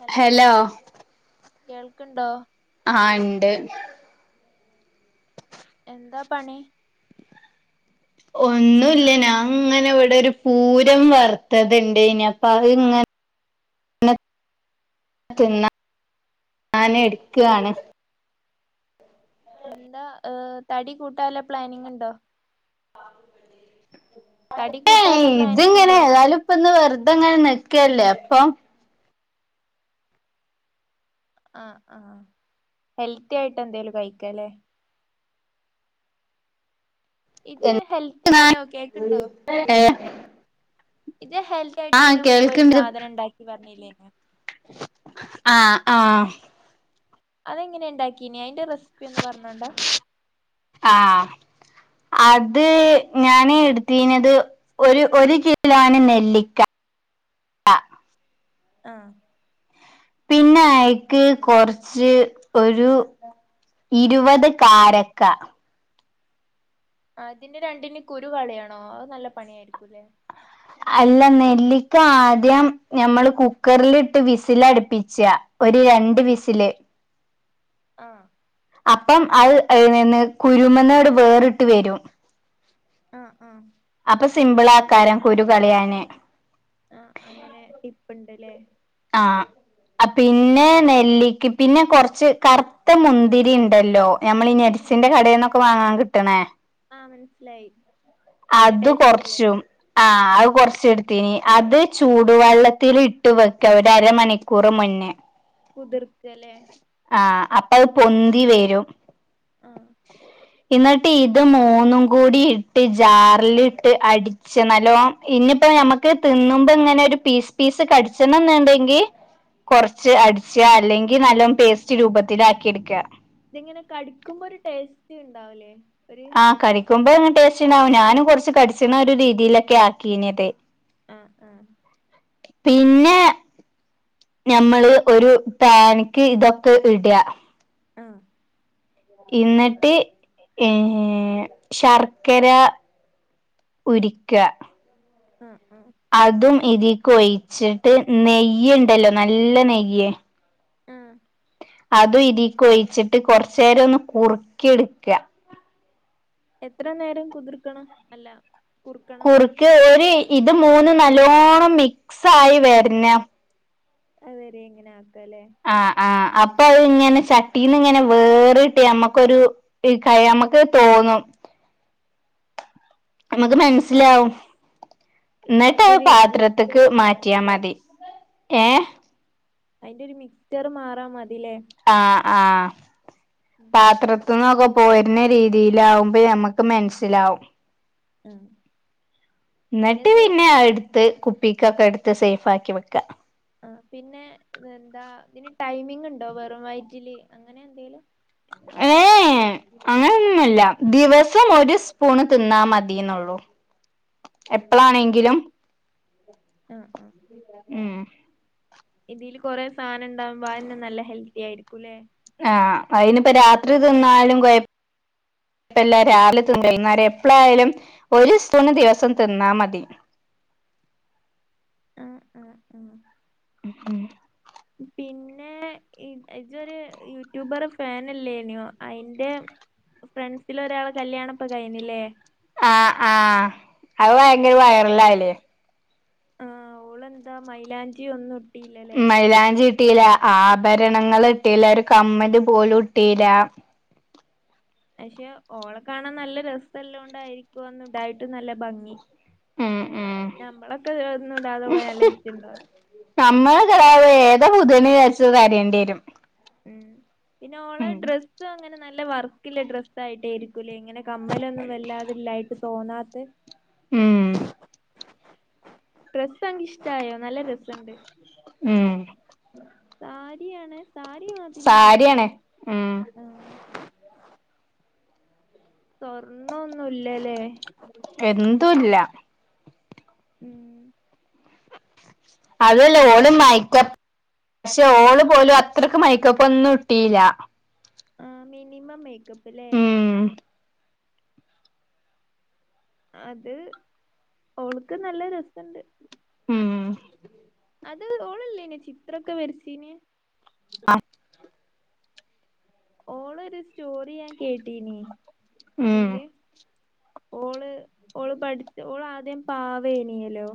Hello കേൾക്കിണ്ടോ? ആഹ് ഇണ്ട്. എന്താ പണി? ഒന്നൂല്ല ഞാൻ ഇങ്ങനെ ഇവിടെ ഒരു പൂരം വറുത്തത്ണ്ട്ഞ്ഞപ്പ അതിങ്ങ തിന്നാ തിന്നാനെടുക്കാണ്. എന്താ ഹ് തടി കൂട്ടാ വല്ല പ്ലാനിങ് ഉണ്ടോ? തടി ഏയ് കൂട്ടാല പ്ലാനിങ് ഇതിങ്ങനെ ഉണ്ടോ ഏതായാലും ഇപ്പൊന്ന് വെറുതെ ഇങ്ങനെ നിക്കല്ലേ അപ്പൊ ആഹ് ആഹ് ഹെൽത്തി ആയിട്ട് എന്തേലും കഴിക്കാല്ലേ? ഇജ് ഹെൽത്തി അലോ കേക്കിണ്ടോ? ഏ ഇജ്ജ്‌ ഹെൽത്തി ആയിട്ട് ആ ഇതിന് മുമ്പ് ഒരു കേൾക്ക്ണ്ട് സാധനം ഇണ്ടാക്കി പറഞ്ഞില്ലേന്നെ ആഹ് ആഹ് അതെങ്ങനെയാ ഉണ്ടാക്കീന് അതിന്റെ റെസിപ്പി ഒന്ന് പറഞ്ഞോണ്ടാ ആഹ് അത് ഞാന് എടുത്തീനത് ഒരു ഒരു കിലോണ് നെല്ലിക്ക ആഹ് പിന്നെ ആയിക്ക് കൊറച്ച് ഒരു ഇരുപത് കാരക്ക ആ ഇതിന്റെ രണ്ടിന്റേം കുരു കളിയാണോ അത് നല്ല പണിയായിരിക്കുംല്ലേ? അല്ല നെല്ലിക്ക ആദ്യം ഞമ്മള് കുക്കറിലിട്ട് വിസിലടുപ്പിച്ചാ ഒരു രണ്ട് വിസില് ആഹ് അപ്പം അത് [unintelligible] കുരുമന്നോട് വേറിട്ട് വരും ആഹ് ആഹ് അപ്പൊ സിമ്പിളാക്കാരം കുരു കളയാന് ആഹ് അങ്ങനെ ടിപ്പ് ഇണ്ട്ല്ലേ? ആഹ് ആ പിന്നെ നെല്ലിക്ക് പിന്നെ കൊറച്ച് കറുത്ത മുന്തിരി ഇണ്ടല്ലോ നമ്മള് ഈ [unintelligible] കടയിൽന്നൊക്കെ വാങ്ങാൻ കിട്ടണേ ആഹ് മനസ്സിലായി. നല്ല അത് ടേസ്റ്റ്ല്ലേ കൊറച്ചും ആ ആഹ് അത് കൊറച്ച് എടു അത് ചൂടുവെള്ളത്തിലിട്ട് വെക്കാ ഒരരമണിക്കൂറ് മുന്നേ കുതിർക്കല്ലേ? ആ അപ്പൊ അത് പൊന്തി വരും. ആഹ് എന്നിട്ട് ഇത് മൂന്നും കൂടി ഇട്ട് ജാറിലിട്ട് അടി ച്ച് നല്ലോം ഇനിയിപ്പോ ഞമ്മക്ക് തിന്നുമ്പോ ഇങ്ങനെ ഒരു പീസ് പീസ് കടിച്ചണംന്ന്ണ്ടെങ്കി കൊറച്ച് അടിച്ച അല്ലെങ്കിൽ നല്ലോം പേസ്റ്റ് രൂപത്തിലാക്കി എടുക്ക ഇതിങ്ങനെ കടിക്കുമ്പോ ഒരു ടേസ്റ്റ് ഇണ്ടാവുലേ? ആഹ് കടിക്കുമ്പോ ടേസ്റ്റിണ്ടാവും ഞാനും കുറച്ച് കടിച്ചിണ ഒരു രീതിയിലൊക്കെ ആക്കിന്നത് ആഹ് ആഹ്. പിന്നെ നഞമ്മള് ഒരു പാന്ക്ക് ഇതൊക്കെ ഇടാ ആഹ് ഇന്നിട്ട് ആ ശർക്കര ഉരിക്കാ ആഹ് ആഹ് അതും ഇതീക്ക് ഒഴിച്ചിട്ട് നെയ്യുണ്ടല്ലോ നല്ല നെയ്യ് ആഹ് അതും ഇതിക്ക് ഒഴിച്ചിട്ട് കുറചെരം ഒന്ന് കുറുക്കി എടുക്കാ.. എത്ര നേരം കുതിർക്കണം അല്ല..? കുറുക്കണം കുറുക്ക് ഒരു ഇത് മൂന്ന് നല്ലോണ്ണം മിക്സ്സായി വരണ്ണം.. അഹ് വരെ ഇങ്ങനെ ആക്ക ല്ലേ.. ആ ആ അപ്പൊ അത് ഇങ്ങനെ ചട്ടീന്ന് ഇങ്ങനെ വേറിട്ട് നമ്മക്കൊരു.. ഈ കഴ നമക്ക് തോന്നും.. [inaudible] നമുക്ക് മൻ.. ആഹ് മനസ്സിലാവും ആഹ് ഇന്നെട്ട് അയിന്റെ അത് ഒരു മിക്സ്ചർ പാത്രത്ത്ക്ക് മാറാ മാറ്റിയാ മതില്ലേ മതി... ഏ.. അതിന്റെ ഒരു മിക്സർ മാറാം മതിലേ... ആ ആ.. ഉം പാത്രത്ത് ന്നൊക്കെ പോരുന്ന രീതിയിലവുംമ്പോ നമ്മക്ക് മനസ്സിലാവും.. ആഹ് ഇന്നെട്ട് പിന്നെത് പിന്നെ അഹ്‌ എടു.. ത്ത് കുപ്പിക്കൊക്കെ എടുത്ത് സേഫ് ആക്കി വെക്ക... ആ പിന്നെ എന്താ ഇതിന് ടൈമിങ് ഉണ്ടോ വെറും വയറ്റില് അങ്ങനെ എന്തെലും.. [inaudible] എ അങ്ങനെന്നുല്ല ദിവസം ഒരു സ്പൂണ് തിന്നാ മതിന്നൊള്ളൂ.. ആഹ് എപ്പളാണെങ്കിലും ആഹ് ഉം.. ഇതിൽ കുറെ സാനം ഉണ്ടാകുമ്പോ അതന്നെ നല്ല ഹെൽത്തി ആയിരിക്കുംല്ലേ.. ആ അയ്നിപ്പ രാത്രി തിന്നാലും കൊയ.. യപ്പല്ല രാവിലെ തിന്നാലും എപ്പോളാ യാലും ഒരു സൂപ്പുണ്ണ് ദിവസം തിന്നാ മതി.. മ്മ് മ്മ് മ്മ് ഉം.. [inaudible] പിന്നെ ഇ ഇജ്ജോരു യൂട്യൂബറെ ഫാൻ അല്ലെനിയോ അയിന്റെ.. ഫ്രണ്ട്സിൽ ഒരാളെ കല്യാണ്ണം ഇപ്പൊ കഴിഞ്ഞെല്ലെ ആ ആ അത് ഭയങ്കര വൈറൽ ആയില്ലേ.. ആ് ഓളെന്താ മൈലാഞ്ചി ഒന്നും ഇ.. മൈലാഞ്ചി ഇ ഇട്ടീലാ ആഭരണങ്ങൾ ഇട്ടില്ല ഒരു കമ്മൽ പോലും ഇട്ടില.. പക്ഷെ ഓളെ കാണാൻ നല്ല രസംല്ലോണ്ടായിരിക്കും അതൊന്നും ഇടായിട്ട് നല്ല ഭംഗി.. ഉം ഉം ഞമ്മളൊക്കെ ഒന്നും ഇടാതെ പോയാൽ നല്ല വിറ്റുടാകും.. നമ്മൾ ഏത പുത്യണ്ണ് വരിച്ചത് തരേണ്ടി വരും ഉം പിന്നെ ഓളെ ഉം ഡ്രസ്സ് അങ്ങനെ നല്ല വർക്കില്ല ഡ്രസയിട്ടേ രിക്കൂലേ ഇങ്ങനെ കമ്മലൊന്നും വല്ലാതില്ലായിട്ട് തൊന്നാത്ത് ഉം ഡ്രസ്സ് അൻക്ക് ഇഷ്ടായോ നല്ല ഡ്രസ്സുണ്ട് ഉം സാരിയണ സാരി മാതിരി വര സാരിയാണ് ഉം ആ സ്വർണൊന്നുല്ലല്ലേ എന്തുല്ല ഉ്മ് അതല്ല ഓള് മായക്ക പക്ഷെ ഓള് പോലും അത്ര മൈക്കോപ്പ ഒന്നും ഇട്ടില്ല ആ മിനിമം മേക്കപ്പല്ലേ ഉം അത് ഓൾക്ക് നല്ല രസുണ്ട് ഉം അത് ഓളല്ലേന ചിത്രൊക്കെ വരച്ചീന്? ആഹ് ഓളൊരു സ്റ്റോറി ഞാൻ കേട്ടീന് ഉം തില്. ഓള് ഓള് പഠിച്ച് ഓൾ ആദ്യം പാവേയ്നേലോ.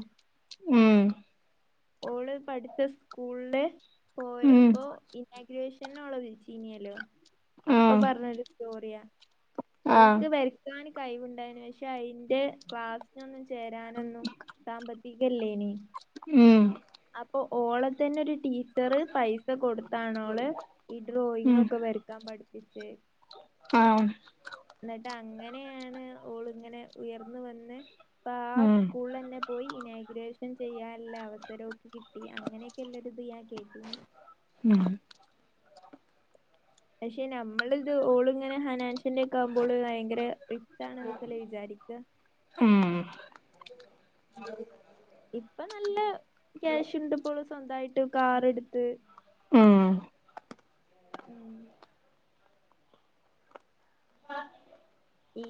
ഉം ഓള് പഠിച്ച സ്കൂളില് ഉം പോയപ്പൊ ഇന്നാഗ്രേഷന്ന് ഓളെ വിൾച്ചീനേലോ അപ്പൊ ഉം പറഞ്ഞൊരു സ്റ്റോറിയാ ആഹ് ഓൾക്ക് വ ക്കാന് കൈവുണ്ടായിന് പക്ഷെ അയ് ന്റെ ക്ലാസിനൊന്നും ചേരാനൊന്നും സാമ്പത്തി ത്തികല്ലേനി ഉം അപ്പൊ ഓളത്തന്നെ ഒരു ടീച്ചറ് പൈസ സ കൊടുത്താണോള് ഈ ഡ്രോയിങ് ഉം ഒക്കെ വരക്കാൻ പഠപ്പിച്ച് ആ ന്നിട്ട് അങ്ങനെയാണ് ഓള്ങ്ങനെ ഉയർന്ന് വന്ന്പ്പ ആ ഉം സ്കൂള ന്നെ പോയി ഇനാഗ്രേഷൻ ചെയ്യാനുള്ള അവസരഓക്ക് കിട്ടി അങ്ങനെയൊക്കെള്ള ഒര് ത് ഞാൻ കേട്ട് ഉം പക്ഷെ നമ്മളിത് ഓള്ങ്ങനെ ഹനാൻഷ്യന്റെ ക്കെ ആകുമ്പോള് ഭയങ്കര റിച്ചാണെന്നൊക്കെല്ലേ വിചാരിക്ക ഉം ഇപ്പൊ നല്ല ക്യാഷ് ണ്ട്പ്പോള് സ്വന്തായിട്ട് കാറ്ട്ത്ത് ആഹ് ഉം [inaudible] ഈ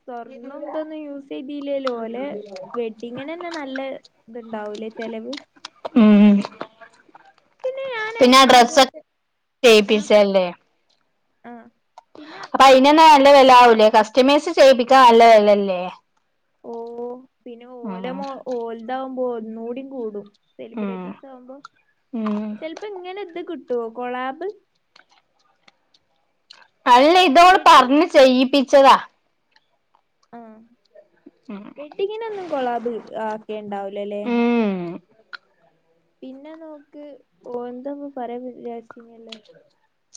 സ്വർണം ന്തൊന്നും യൂസ് ചെയ്തില്ലേല്ലോ ഓലെ വെഡ്ഡിങ്ങിനെന്നെ നല്ല ത്ണ്ടാവൂലെ ചെലവ്. ഉം പിന്നെ ഞാന് പിന്നെ ഡ്രസ് ഒക്കെ ആദ്യായിട്ട് ആഹ് പറ ചെയ്യിപ്പിച്ചല്ലേ ആഹ് പിന്നെ അപ്പൊ അയ്നന്ന് ആദ്യായിട്ട് നല്ല വെല ആവൂലേ കസ്റ്റമൈസ് ചെയ്യിപ്പിക്കാനല്ല വെലല്ലേ? ഓ പിന്നെ ഓല മോ ഓലതാവുമ്പോ ഒന്നൂടിം കൂടും. ഉം സെലിബ്രിറ്റീസ് ആവുമ്പോ ഉം ചെൽപ്പോ ങ്ങനെ ത് കിട്ടൊ കൊളാബ് അല്ല ഇതോള് വെഡ്ഡിങ് പറഞ്ഞ് ചെയ്യിപ്പിച്ചതാ. ആഹ് മ് മ് ഇങ്ങനൊന്നും കോളാബ് ആക്കെടാവൂലല്ലേ? ഉം പിന്നെ നോക്ക് [unintelligible] പറയാ വിചാരിച്ചിനല്ലോ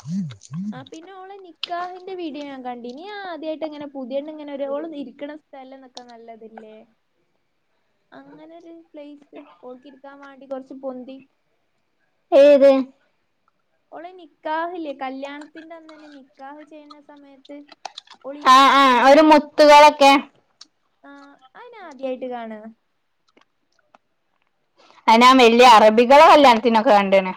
ഉം ആ പിന്ന ഓളെ നിക്കാഹിന്റെ വീഡിയോ ഞാൻ കണ്ടീനി ഞാ ആദിയായിട്ടഇങ്ങനെ പുതിയണ്ണ് ഇങ്ങനെ ഒരു സ്ഥല എന്നൊക്കെ നല്ലതല്ലേ അങ്ങനെരു പ്ലേസ് ഓൾക്കിരിക്കാൻ പണ്ടി കുറച്ച് പൊന്തി ഏത്... ഓളെ നിക്കാഹി ല്ലേ കല്യാണത്തിന്റെ അന്നന്നെ നിക്കാഹ് ചെയ്യണ സമയത്ത് ആ ഓളിരുന്ന ആ സ്ഥലം ഒരു മുത്തുകളൊക്കെ ആ അയ്നാആദ്യായിട്ട് കാണ അയ്നാവൽയാ അറബികളുടെ കല്യാണത്തിനൊക്കെ കണ്ടാണ്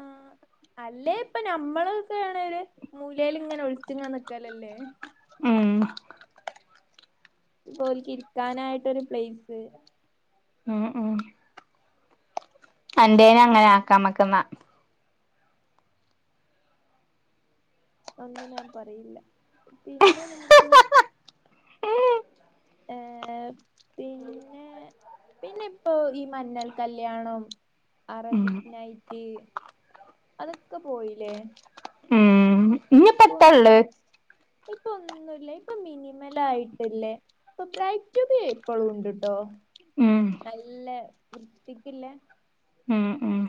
ആ. അല്ലേ ഇപ്പ നമ്മളൊക്കെയ ആണര് മൂലേൽ ഇങ്ങനെ ഒളിച്ചിങ്ങനാ നിക്കലല്ലേ? ഉം.. ഇ പോല് ക്ക് ഇരിക്കാനായിട്ടൊരു പ്ലേസ്. ഉം ഉം അന്റെയ്ന് അങ്ങനെ ആക്കാ ഞ മക്ക് ന്ന? ഒന്നും ഞാൻ പറയില്ല പിന്നെ നമുക്ക് ഏ പിന്നെ പിന്നെ ഇപ്പോ ഈ മഞ്ഞൾ കല്യാണം ഉം അറബിക് നൈറ്റ് അതൊക്കെ പോയില്ലേ ഉം ഇഞ്ഞിപ്പ ഇപ്പ ഒന്നും എത്താള്ള് ഇപ്പോ ഒന്നുല്ല ഇപ്പൊ മിനിമല ആയിട്ടില്ലേ ഇപ്പോ ബ്രൈഡ് ടു ബി ഇപ്പളും ഉണ്ട്ട്ടോ ഉം നല്ല വൃത്തിക്കില്ലേ ഉം ഉം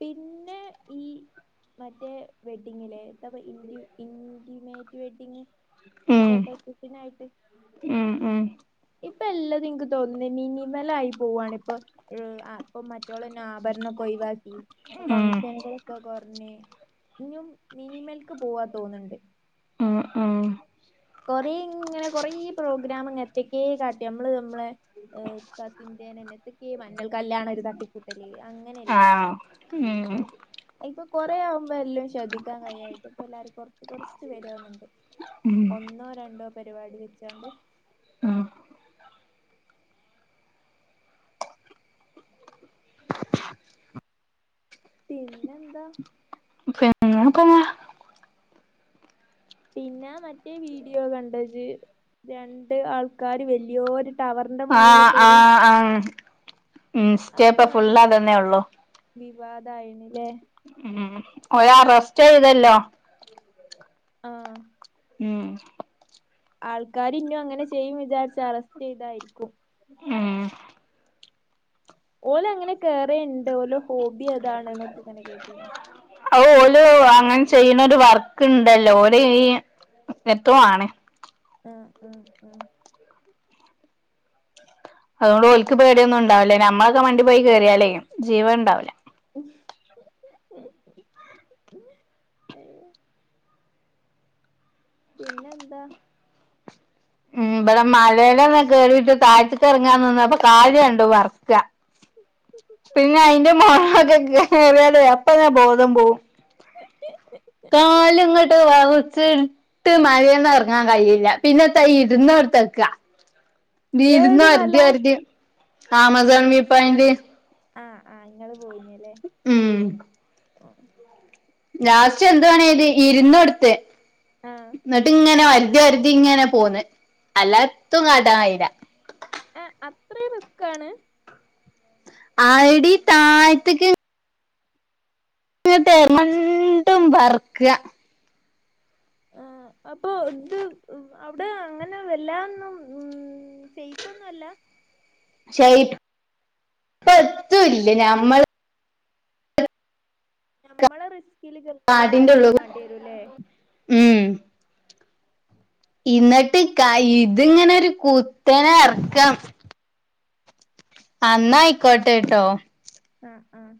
പിന്നെ ഈ മറ്റേ വെഡ്ഡിങ്ങിലേഏതാപം ഇൻിമേറ്റ് വെഡ്ഡിംങ്ങ് ഉം ഫോട്ടോഷൂട്ടിന ആയിട്ട് ഉം ഉം ഇപ്പ എല്ലാതുംനിക്ക് തോന്നുന്നു മിനിവലായി ആയി പോവാണ് ഇപ്പം ഏ് അപ്പൊ മറ്റുള്ളന്നെ ആഭരണൊക്കെ ഒഴിവാക്കി ഇപ്പം ഉം ഫംഗഷനുകളൊക്കെ കുറഞ്ഞി ഇഞ്ഞും മിനിമേൽക്ക് പോവാ തോന്നുണ്ട് ഉ... കൊറേ ഇങ്ങനെ കൊറേ പ്രോഗ്രാംങ്ങത്തക്കേ കാട്ടി നമ്മള് നമ്മളെ ഏ കസിന്റെനെതെക്കെ മഞ്ഞൾ കല്യാണ ഒരു തട്ടികൂട്ടല് അങ്ങനെഅല്ലേയ്നിയോ ആഹ് ഉം ഇപ്പൊ കൊറേ ആവുമ്പോ എല്ലാം ശ്രദ്ധിക്കാൻ കഴിയായിട്ട് ഇപ്പൊ എല്ലാരും കുറച്ച് കുറച്ച് വര്യതോന്നുണ്ട് ഉം ഒന്നോ രണ്ടോ പരിപാടി വെച്ചാണ്ട് ഉം പിന്നെന്താ? പിന്ന പറഞ്ഞ [unintelligible] പിന്നെ ആ മറ്റേ വീഡിയോ കണ്ടത് രണ്ട് ആൾക്കാര് വലിയൊരു ടവർന്റെ മോള്ള് കയറി. ആഹ അത്പ്പോ നല്ല ഉള്ളു വിവാദയിണില്ലേ ഉം ഓലെ അറസ്റ്റ് ചെയ്തല്ലോ ആഹ ഉം ആൾക്കാര് ഇഞ്ഞും അങ്ങനെ ചെയ്യും വിചാരിച്ച് അറസ്റ്റ് ചെയ്തായിരിക്കും ഉം ഓല അങ്ങനെ കേറേൻഡ് ഓലോ ഹോബി അതാണ് എന്നൊക്കെ ഇങ്ങനെ കേട്ടിനി ഔ ഓല് ! ! ! ! ! ! ! ! ! ! ആഹ് ആഹ് ആഹ് അതോട് ഓൽക്ക് പേടിന്നും ഉണ്ടാവില്ല നമ്മളക്കെ മണ്ടി പോയി കേറിയാലേ ജീവൻണ്ടാവുല. ഉം പിന്നെ എന്താ? ഉംബടെ [unintelligible] കേറീട്ട് താഴ്ത്ത്ക്ക്ർങ്ങാനിന്നപ്പ കാല് രണ്ടും വെർക്ക. പിന്നെ അയ്ന്റെ [unintelligible] അപ്പത ബോധം പോവും. [inaudible] കാല്ങ്ങട്ട് വെറ്ച്ച് ട്ട് മഴന്ന്റങ്ങാൻ കഴിയില്ല. പിന്നെ ത്താ ഇ ര്ന്നൊട്ത്തക്ക ഏത് വിര്ന്ന് മല ഒര്തി ഒര്തി ആമസോൺവിപോയിന്റ് ആഹ് ആഹ് ങ്ങള് പോയി ന്ല്ലേ? ഉം ആഹ് ലാസ്റ്റ് എന്തുവണിയ്ത് ഇര് ന്നൊട്ത്ത് ആഹ് ന്നിട്ട് ങ്ങനെ ഒര ഒരരുതി ഇങ്ങനെ പോന്ന്. അല്ലാത്തും കട്ടായില്ല. എഹ് അത്രയും റിസ്ക് ആണ്. ആയടി താഴ്ത്ത്ക്ക്. ഇത്തേ മണ്ടും പറ്ക്ക. ആഹ് അപ്പൊ ഇത് അവിടെ അങ്ങനെ വല്ലന്നും ഉം സൈഫ് ഒന്നും അല്ല. ശൈ പ് ത്തുല്ല ഞമ്മള് നഞമ്മളെ റിസ്കില് കറും കാടിന്റെ ഇറങ്ങും ഉള്ളിൽ വേണ്ടി വരൂല്ലേ? ഉം എന്നിട്ട് ക ഇതിങ്ങനെ ഒരു കുത്തനെ എറക്കം. അന്ന ആയിക്കോട്ടെട്ടോ? ആഹ് ആഹ്